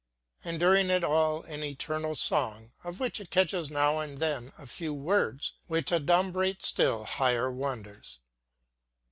And during it all an eternal song, of which it catches now and then a few words which adumbrate still higher wonders.